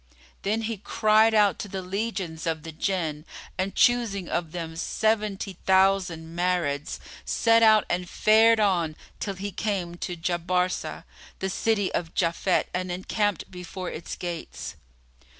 Then he cried out to the legions of the Jinn and choosing of them seventy thousand Marids, set out and fared on till he came to Jabarsá[FN#35] the city of Japhet and encamped before its gates.